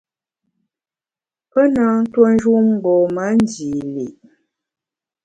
Pe nâ ntue njun mgbom-a ndî li’.